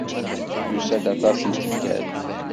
Yusa-d aṭas n tikkal.